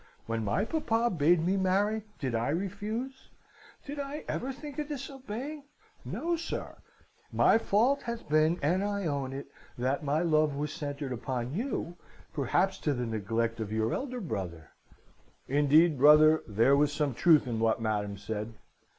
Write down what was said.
When my papa bade me marry, did I refuse? Did I ever think of disobeying? No, sir. My fault hath been, and I own it, that my love was centred upon you, perhaps to the neglect of your elder brother.' (Indeed, brother, there was some truth in what Madam said.)